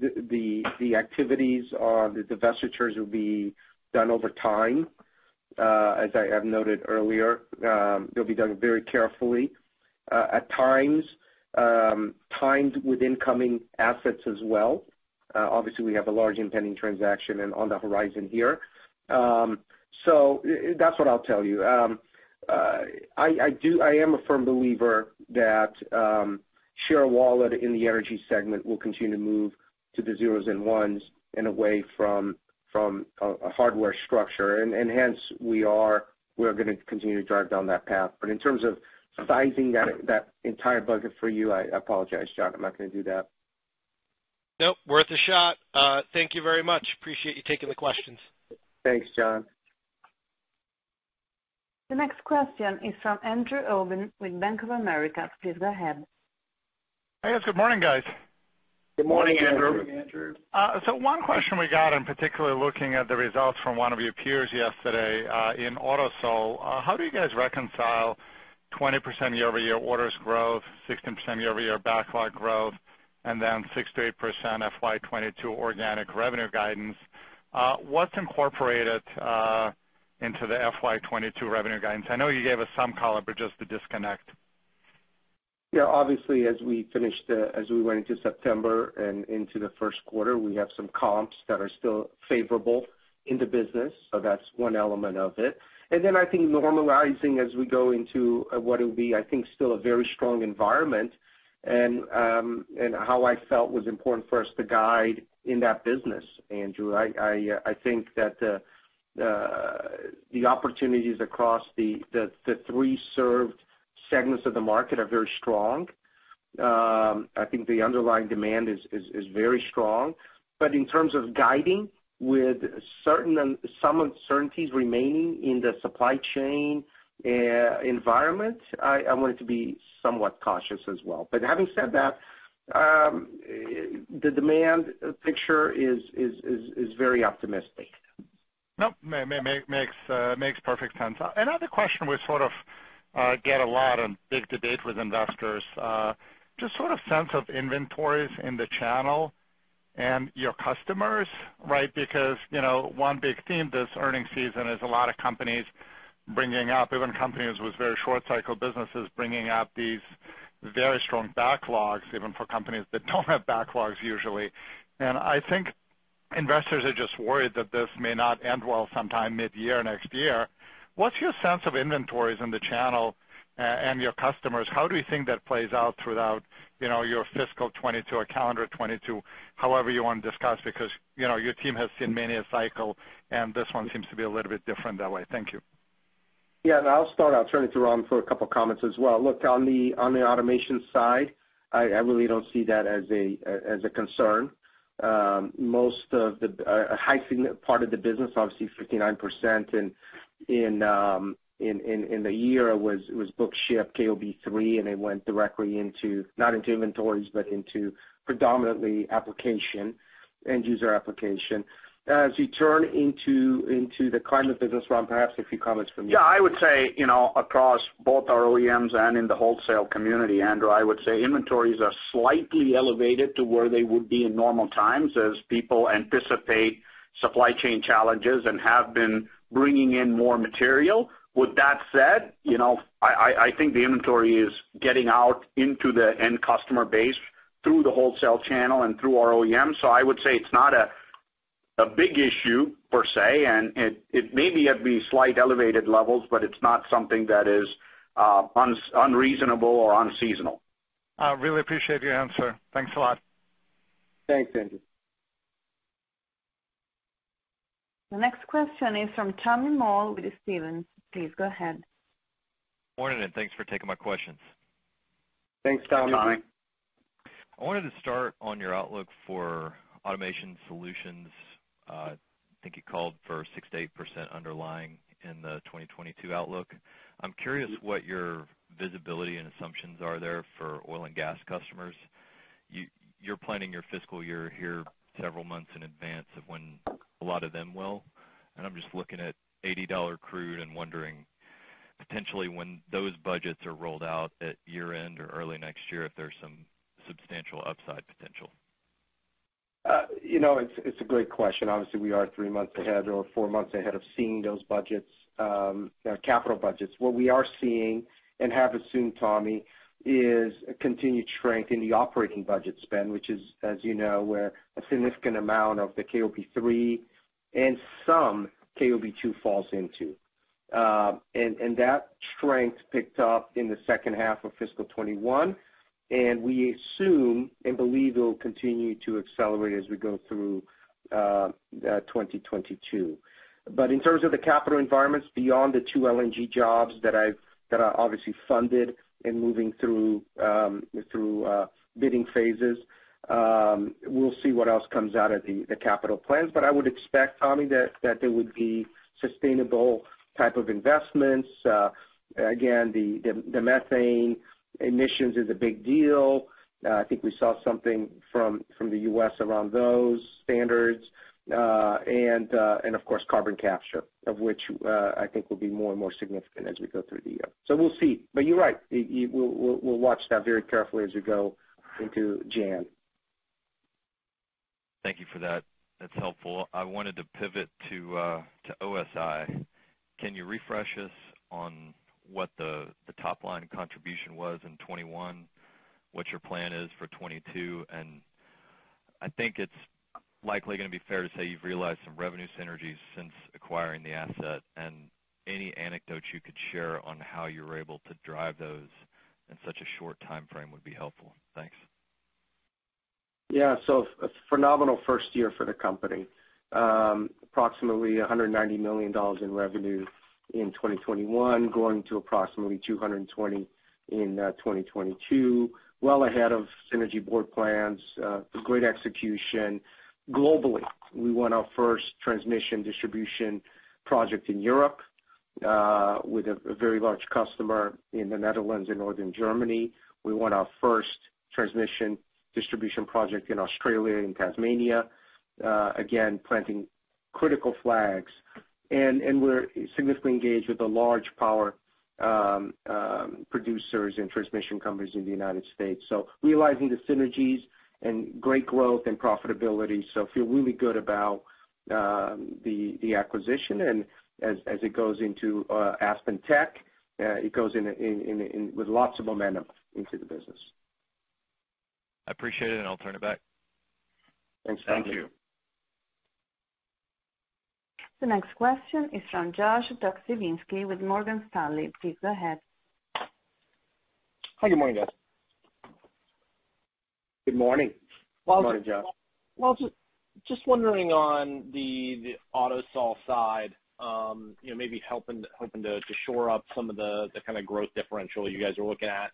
S3: the activities or the divestitures will be done over time. As I have noted earlier, they'll be done very carefully, at times timed with incoming assets as well. Obviously, we have a large impending transaction on the horizon here. That's what I'll tell you. I am a firm believer that share of wallet in the energy segment will continue to move to the zeros and ones and away from a hardware structure. Hence we're gonna continue to drive down that path. In terms of sizing that entire budget for you, I apologize, John. I'm not gonna do that.
S7: Nope. Worth a shot. Thank you very much. Appreciate you taking the questions.
S3: Thanks, John.
S1: The next question is from Andrew Obin with Bank of America. Please go ahead.
S8: Yes, good morning, guys.
S3: Good morning, Andrew.
S8: One question we got, and particularly looking at the results from one of your peers yesterday in Automation Solutions. How do you guys reconcile 20% year-over-year orders growth, 16% year-over-year backlog growth, and then 6%-8% FY 2022 organic revenue guidance? What's incorporated into the FY 2022 revenue guidance? I know you gave us some color, but just the disconnect.
S3: Yeah. Obviously, as we finished, as we went into September and into the first quarter, we have some comps that are still favorable in the business, so that's one element of it. Then I think normalizing as we go into what it will be, I think, still a very strong environment, and how I felt was important for us to guide in that business, Andrew. I think that the opportunities across the three served segments of the market are very strong. I think the underlying demand is very strong. In terms of guiding with certain some uncertainties remaining in the supply chain environment, I wanted to be somewhat cautious as well. Having said that, the demand picture is very optimistic.
S8: Nope. Makes perfect sense. Another question we sort of get a lot and big debate with investors, just sort of sense of inventories in the channel and your customers, right? Because, you know, one big theme this earning season is a lot of companies bringing up, even companies with very short cycle businesses bringing up these very strong backlogs, even for companies that don't have backlogs usually. I think investors are just worried that this may not end well sometime mid-year next year. What's your sense of inventories in the channel, and your customers? How do you think that plays out throughout, you know, your fiscal 2022 or calendar 2022? However you wanna discuss, because, you know, your team has seen many a cycle, and this one seems to be a little bit different that way. Thank you.
S3: Yeah, I'll start. I'll turn it to Ram for a couple of comments as well. Look, on the automation side, I really don't see that as a concern. Most of a high part of the business, obviously 59% in the year was book-to-ship KOB3, and it went directly into, not into inventories, but into predominantly application, end user application. As you turn into the climate business, Ram, perhaps a few comments from you.
S5: Yeah, I would say, you know, across both our OEMs and in the wholesale community, Andrew, I would say inventories are slightly elevated to where they would be in normal times as people anticipate supply chain challenges and have been bringing in more material. With that said, you know, I think the inventory is getting out into the end customer base through the wholesale channel and through our OEM. So I would say it's not a big issue per se, and it may be at the slight elevated levels, but it's not something that is unreasonable or unseasonal.
S8: I really appreciate your answer. Thanks a lot.
S3: Thanks, Andrew.
S1: The next question is from Tommy Moll with Stephens. Please go ahead.
S9: Morning, and thanks for taking my questions.
S3: Thanks, Tommy.
S9: I wanted to start on your outlook for Automation Solutions. I think you called for 6%-8% underlying in the 2022 outlook. I'm curious what your visibility and assumptions are there for oil and gas customers. You're planning your fiscal year here several months in advance of when a lot of them will. I'm just looking at $80 crude and wondering potentially when those budgets are rolled out at year-end or early next year, if there's some substantial upside potential.
S3: You know, it's a great question. Obviously, we are three months ahead or four months ahead of seeing those budgets, capital budgets. What we are seeing and have assumed, Tommy, is a continued strength in the operating budget spend, which is, as you know, where a significant amount of the KOB3 and some KOB2 falls into. That strength picked up in the second half of fiscal 2021, and we assume and believe it'll continue to accelerate as we go through 2022. In terms of the capital environments beyond the two LNG jobs that are obviously funded and moving through bidding phases, we'll see what else comes out of the capital plans. I would expect, Tommy, that there would be sustainable type of investments. Again, the methane emissions is a big deal. I think we saw something from the U.S. around those standards. Of course, carbon capture, of which I think will be more and more significant as we go through the year. We'll see. You're right. We'll watch that very carefully as we go into January.
S9: Thank you for that. That's helpful. I wanted to pivot to OSI. Can you refresh us on what the top line contribution was in 2021? What your plan is for 2022? I think it's likely gonna be fair to say you've realized some revenue synergies since acquiring the asset, and any anecdotes you could share on how you were able to drive those in such a short timeframe would be helpful. Thanks.
S3: Yeah. A phenomenal first year for the company. Approximately $190 million in revenue in 2021, growing to approximately $220 million in 2022. Well ahead of synergy board plans. Great execution globally. We won our first transmission/distribution project in Europe, with a very large customer in the Netherlands and Northern Germany. We won our first transmission/distribution project in Australia and Tasmania, again, planting critical flags. We're significantly engaged with the large power producers and transmission companies in the U.S. Realizing the synergies and great growth and profitability. Feel really good about the acquisition. As it goes into AspenTech, it goes in with lots of momentum into the business.
S9: I appreciate it, and I'll turn it back.
S3: Thanks.
S5: Thank you.
S1: The next question is from Josh Pokrzywinski with Morgan Stanley. Please go ahead.
S10: Hi. Good morning, guys.
S3: Good morning.
S4: Good morning, Josh.
S10: Well, just wondering on the Automation Solutions side, you know, maybe hoping to shore up some of the kind of growth differential you guys are looking at,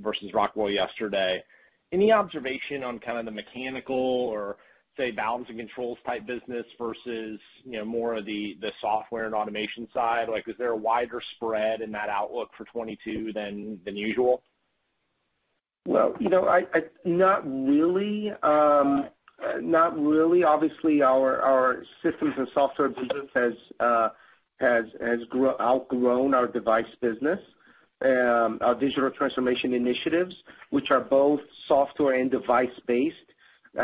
S10: versus Rockwell yesterday. Any observation on kind of the mechanical or, say, balancing controls type business versus, you know, more of the software and automation side? Like, is there a wider spread in that outlook for 2022 than usual?
S3: Well, you know, not really. Not really. Obviously, our systems and software business has outgrown our device business. Our digital transformation initiatives, which are both software and device-based,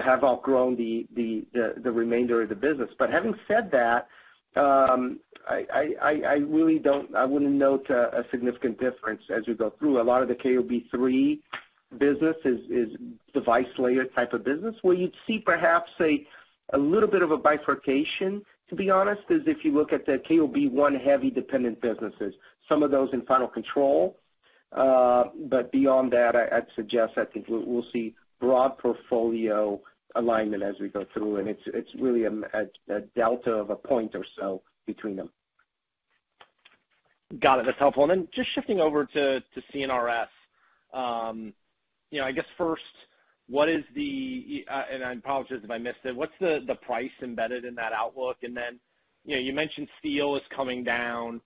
S3: have outgrown the remainder of the business. Having said that, I really wouldn't note a significant difference as we go through. A lot of the KOB3 business is device layer type of business where you'd see perhaps a little bit of a bifurcation, to be honest, if you look at the KOB1 heavy dependent businesses, some of those in final control. Beyond that, I'd suggest I think we'll see broad portfolio alignment as we go through, and it's really a delta of a point or so between them.
S10: Got it. That's helpful. Just shifting over to C&RS. You know, I guess first, and I apologize if I missed it, what's the price embedded in that outlook? You know, you mentioned steel is coming down,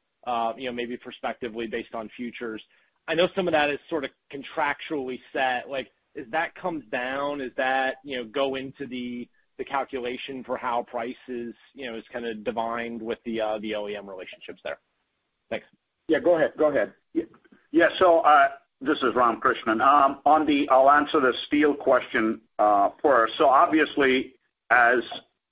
S10: you know, maybe prospectively based on futures. I know some of that is sort of contractually set. Like as that comes down, does that, you know, go into the calculation for how prices, you know, is kind of derived with the OEM relationships there? Thanks.
S3: Yeah, go ahead. Yeah.
S5: Yeah, this is Ram Krishnan. I'll answer the steel question first. Obviously, as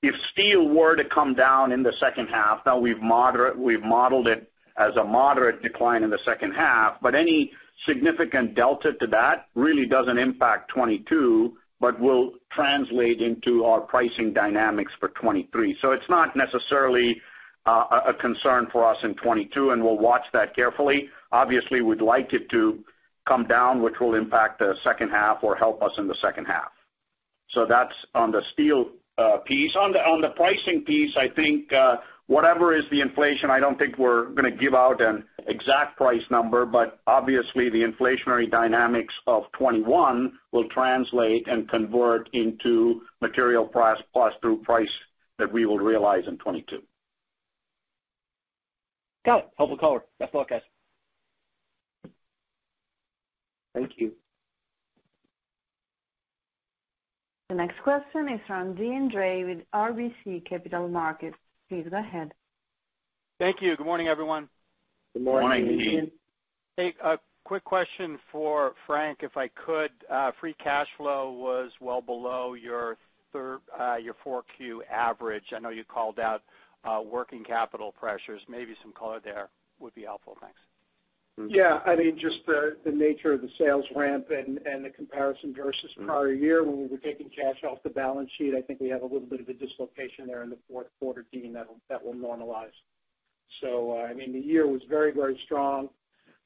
S5: if steel were to come down in the second half, we've modeled it as a moderate decline in the second half, but any significant delta to that really doesn't impact 2022 but will translate into our pricing dynamics for 2023. It's not necessarily a concern for us in 2022, and we'll watch that carefully. Obviously, we'd like it to come down, which will impact the second half or help us in the second half. That's on the steel piece. On the pricing piece, I think, whatever the inflation is, I don't think we're gonna give out an exact price number, but obviously the inflationary dynamics of 2021 will translate and convert into material price plus pass-through price that we will realize in 2022.
S10: Got it. Helpful color. Best of luck guys.
S3: Thank you.
S1: The next question is from Deane Dray with RBC Capital Markets. Please go ahead.
S11: Thank you. Good morning, everyone.
S3: Good morning.
S5: Good morning, Deane.
S11: Hey, a quick question for Frank, if I could. Free cash flow was well below your 4Q average. I know you called out working capital pressures. Maybe some color there would be helpful. Thanks.
S4: Yeah. I mean, just the nature of the sales ramp and the comparison versus prior year when we were taking cash off the balance sheet. I think we have a little bit of a dislocation there in the fourth quarter, Deane, that will normalize. I mean, the year was very, very strong,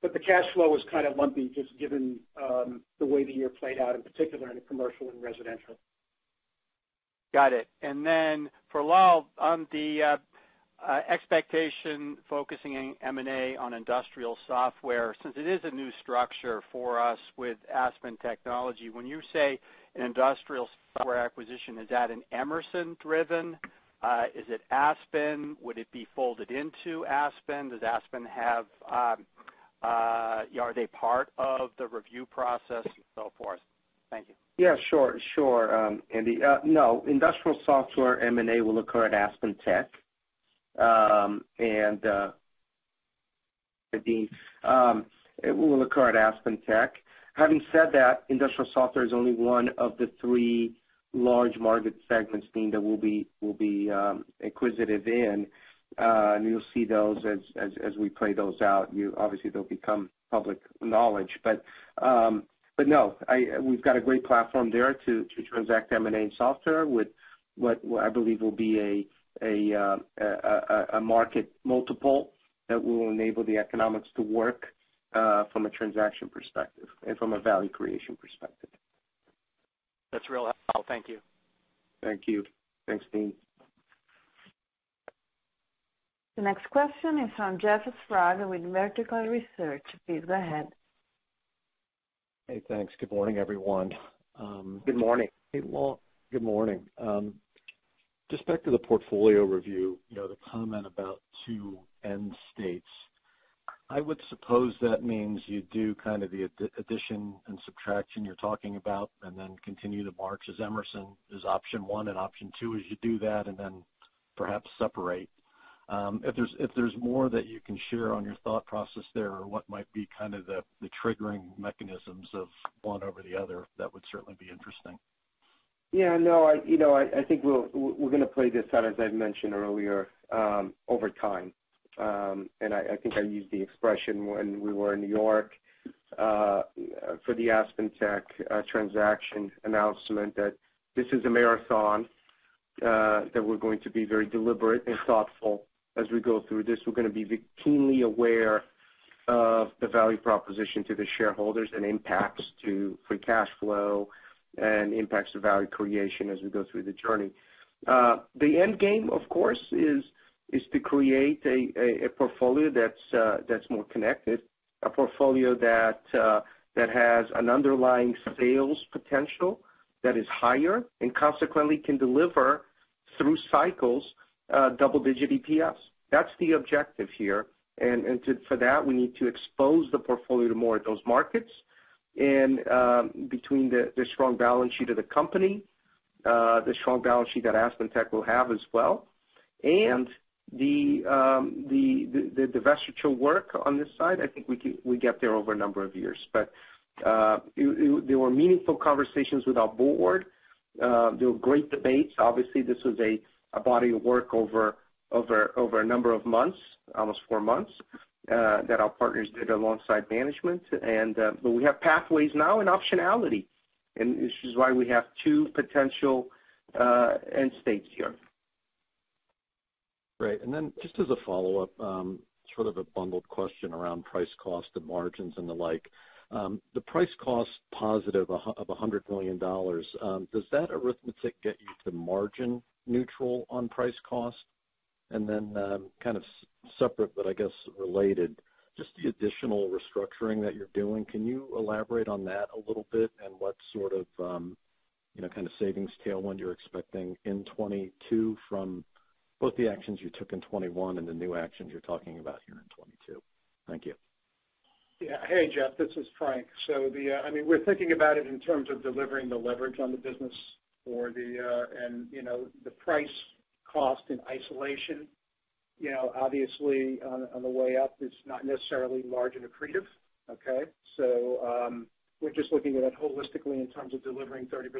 S4: but the cash flow was kind of lumpy just given the way the year played out, in particular in the commercial and residential.
S11: Got it. For Lal, on the expectation focusing on M&A on industrial software, since it is a new structure for us with Aspen Technology, when you say an industrial software acquisition, is that Emerson-driven? Is it Aspen? Would it be folded into Aspen? Does Aspen have, you know, are they part of the review process and so forth? Thank you.
S3: Yeah, sure, Andy. No, Industrial Software M&A will occur at AspenTech, and, Deane. It will occur at AspenTech. Having said that, Industrial Software is only one of the three large market segments, Deane, that we'll be acquisitive in. You'll see those as we play those out. Obviously, they'll become public knowledge. No, we've got a great platform there to transact M&A software with what I believe will be a market multiple that will enable the economics to work from a transaction perspective and from a value creation perspective.
S11: That's real helpful. Thank you.
S3: Thank you. Thanks, Deane.
S1: The next question is from Jeff Sprague with Vertical Research. Please go ahead.
S12: Hey, thanks. Good morning, everyone.
S3: Good morning.
S12: Hey, Lal. Good morning. Just back to the portfolio review, you know, the comment about two end states. I would suppose that means you do kind of the addition and subtraction you're talking about, and then continue to march as Emerson is option one, and option two is you do that and then perhaps separate. If there's more that you can share on your thought process there or what might be kind of the triggering mechanisms of one over the other, that would certainly be interesting.
S3: Yeah, no, you know, I think we're gonna play this out, as I've mentioned earlier, over time. I think I used the expression when we were in New York for the AspenTech transaction announcement that this is a marathon that we're going to be very deliberate and thoughtful as we go through this. We're gonna be keenly aware of the value proposition to the shareholders and impacts to free cash flow and impacts to value creation as we go through the journey. The end game, of course, is to create a portfolio that's more connected, a portfolio that has an underlying sales potential that is higher, and consequently can deliver through cycles, double-digit EPS. That's the objective here. For that, we need to expose the portfolio to more of those markets and, between the strong balance sheet of the company, the strong balance sheet that AspenTech will have as well, and the divestiture work on this side. I think we get there over a number of years. There were meaningful conversations with our board. There were great debates. Obviously, this was a body of work over a number of months, almost four months, that our partners did alongside management. We have pathways now and optionality, and this is why we have two potential end states here.
S12: Great. Just as a follow-up, sort of a bundled question around price cost to margins and the like. The price cost positive of $100 million, does that arithmetic get you to margin neutral on price cost? Kind of separate but I guess related, just the additional restructuring that you're doing, can you elaborate on that a little bit and what sort of, you know, kind of savings tailwind you're expecting in 2022 from both the actions you took in 2021 and the new actions you're talking about here in 2022? Thank you.
S4: Yeah. Hey, Jeff, this is Frank. I mean, we're thinking about it in terms of delivering the leverage on the business for the year and, you know, the price cost in isolation. You know, obviously on the way up is not necessarily large and accretive, okay? We're just looking at it holistically in terms of delivering 30%+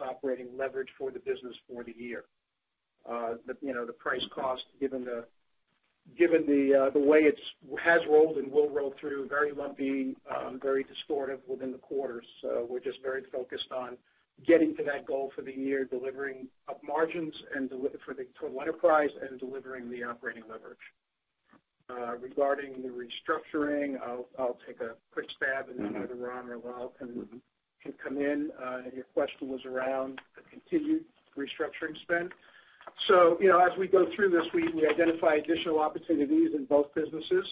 S4: operating leverage for the business for the year. You know, the price cost given the way it has rolled and will roll through very lumpy, very distortive within the quarters. We're just very focused on getting to that goal for the year, delivering up margins and for the total enterprise and delivering the operating leverage. Regarding the restructuring, I'll take a quick stab and then either Ram or Lal can come in. Your question was around the continued restructuring spend. You know, as we go through this, we identify additional opportunities in both businesses.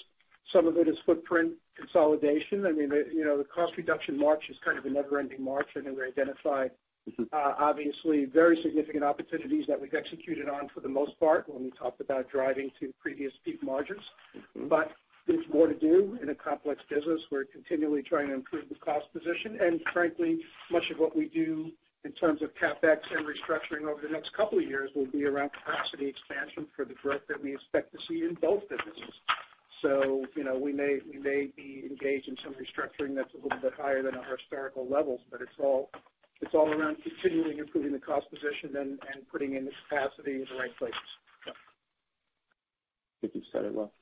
S4: Some of it is footprint consolidation. I mean, you know, the cost reduction march is kind of a never-ending march. I know we identified.
S12: Mm-hmm.
S4: Obviously very significant opportunities that we've executed on for the most part when we talk about driving to previous peak margins.
S12: Mm-hmm.
S4: There's more to do in a complex business. We're continually trying to improve the cost position, and frankly, much of what we do in terms of CapEx and restructuring over the next couple of years will be around capacity expansion for the growth that we expect to see in both businesses. You know, we may be engaged in some restructuring that's a little bit higher than our historical levels, but it's all around continually improving the cost position and putting in the capacity in the right places.
S3: I think you've said it well.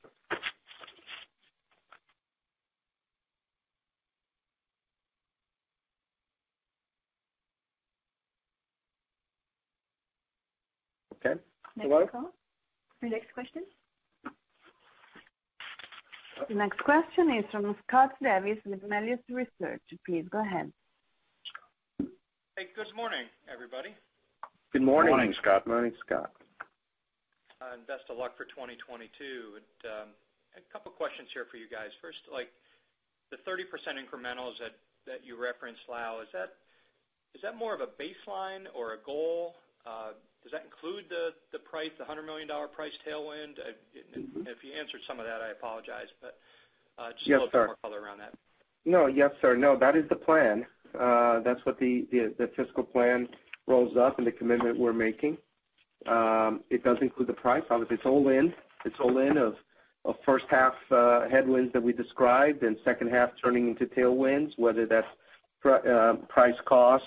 S4: Okay. Lal?
S1: Next call. Your next question. The next question is from Scott Davis with Melius Research. Please go ahead.
S13: Hey, good morning, everybody.
S3: Good morning.
S5: Morning, Scott.
S4: Morning, Scott.
S13: Best of luck for 2022. A couple questions here for you guys. First, like the 30% incrementals that you referenced, Lal, is that more of a baseline or a goal? Does that include the price, the $100 million price tailwind? If you answered some of that, I apologize, but just a-
S3: Yes, sir.
S13: A little bit more color around that.
S3: No. Yes, sir. No, that is the plan. That's what the fiscal plan rolls up and the commitment we're making. It does include the price. Obviously, it's all in. It's all in of first half headwinds that we described, and second half turning into tailwinds, whether that's price-cost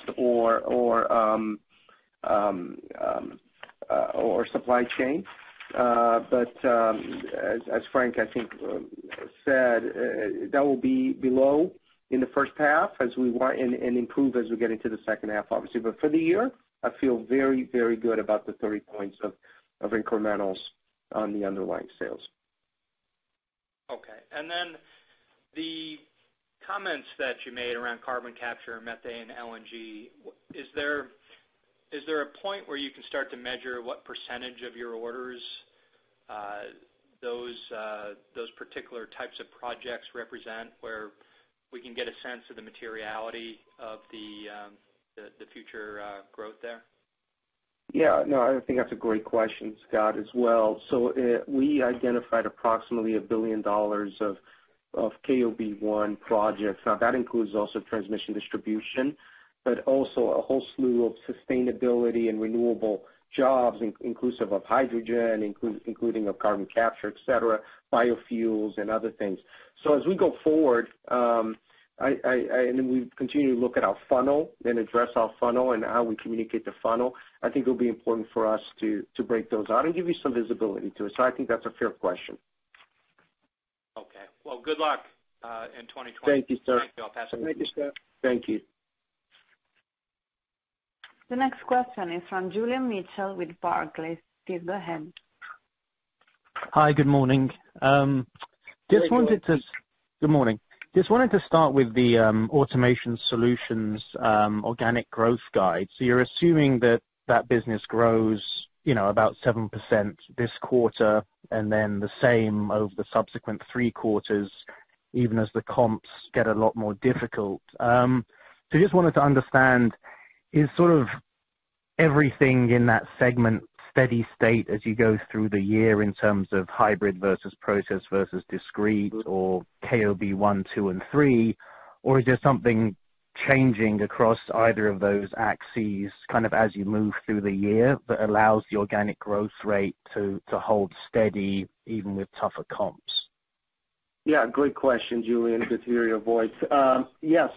S3: or supply chain. As Frank, I think, said, that will be below in the first half as we want and improve as we get into the second half, obviously. For the year, I feel very, very good about the 30 points of incrementals on the underlying sales.
S13: Okay. The comments that you made around carbon capture, methane, LNG, is there a point where you can start to measure what percentage of your orders, those particular types of projects represent where we can get a sense of the materiality of the future growth there?
S3: Yeah, no, I think that's a great question, Scott, as well. We identified approximately $1 billion of KOB1 projects. Now, that includes also transmission/distribution, but also a whole slew of sustainability and renewable jobs, inclusive of hydrogen, including carbon capture, et cetera, biofuels and other things. As we go forward, we continue to look at our funnel and address our funnel and how we communicate the funnel. I think it'll be important for us to break those out and give you some visibility to it. I think that's a fair question.
S13: Okay. Well, good luck in 2020.
S3: Thank you, sir.
S13: Thank you. I'll pass it on.
S3: Thank you, Scott. Thank you.
S1: The next question is from Julian Mitchell with Barclays. Please go ahead.
S14: Hi. Good morning. Just wanted to-
S3: Good morning.
S14: Good morning. Just wanted to start with the Automation Solutions organic growth guide. You're assuming that that business grows, you know, about 7% this quarter, and then the same over the subsequent three quarters, even as the comps get a lot more difficult. Just wanted to understand, is sort of everything in that segment steady state as you go through the year in terms of hybrid versus process versus discrete or KOB1, KOB2, and KOB3? Or is there something changing across either of those axes kind of as you move through the year that allows the organic growth rate to hold steady even with tougher comps?
S3: Good question, Julian. Good to hear your voice. Yeah.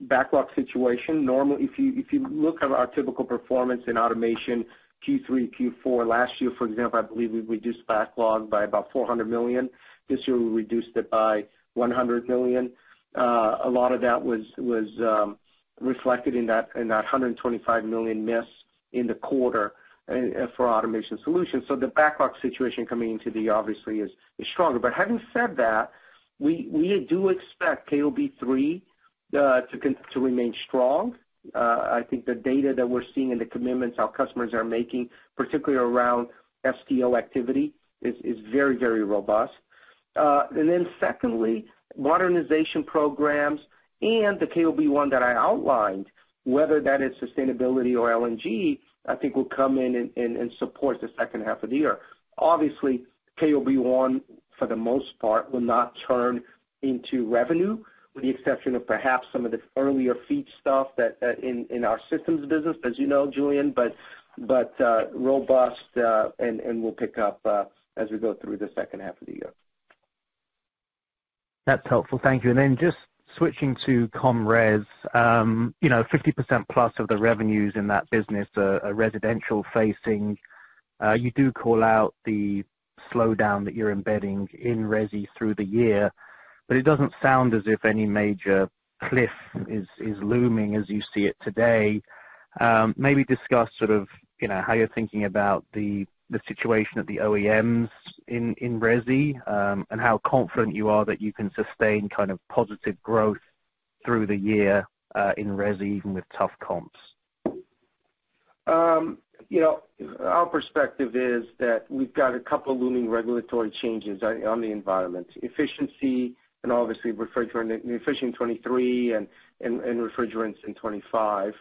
S3: Backlog situation. Normally, if you look at our typical performance in automation Q3, Q4 last year, for example, I believe we reduced backlog by about $400 million. This year, we reduced it by $100 million. A lot of that was reflected in that $125 million miss in the quarter for Automation Solutions. The backlog situation coming into the quarter, obviously, is stronger. Having said that, we do expect KOB3 to remain strong. I think the data that we're seeing in the commitments our customers are making, particularly around FEL activity, is very, very robust. Secondly, modernization programs and the KOB1 that I outlined, whether that is sustainability or LNG, I think will come in and support the second half of the year. Obviously, KOB1, for the most part, will not turn into revenue with the exception of perhaps some of the earlier feed stuff that in our systems business, as you know, Julian, but robust and we'll pick up as we go through the second half of the year.
S14: That's helpful. Thank you. Just switching to C&RS, you know, 50%+of the revenues in that business are residential facing. You do call out the slowdown that you're embedding in resi through the year, but it doesn't sound as if any major cliff is looming as you see it today. Maybe discuss sort of, you know, how you're thinking about the situation at the OEMs in resi, and how confident you are that you can sustain kind of positive growth through the year, in resi, even with tough comps.
S3: You know, our perspective is that we've got a couple of looming regulatory changes on the environment, efficiency and obviously refrigerant, Efficiency 2023 and refrigerants in 2025.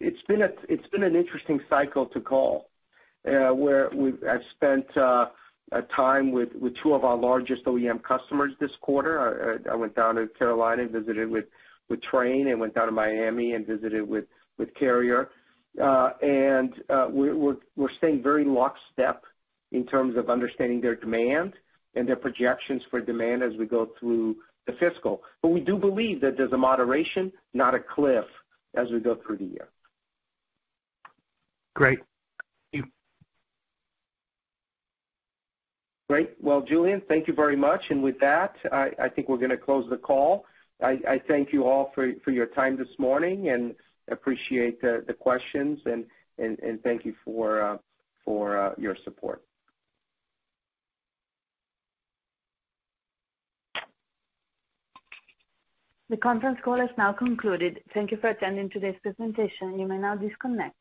S3: It's been an interesting cycle to call, where I've spent some time with two of our largest OEM customers this quarter. I went down to Carolina and visited with Trane and went down to Miami and visited with Carrier. We're staying very lockstep in terms of understanding their demand and their projections for demand as we go through the fiscal. We do believe that there's a moderation, not a cliff, as we go through the year.
S14: Great. Thank you.
S3: Great. Well, Julian, thank you very much. With that, I think we're gonna close the call. I thank you all for your time this morning and appreciate the questions and thank you for your support.
S1: The conference call has now concluded. Thank you for attending today's presentation. You may now disconnect.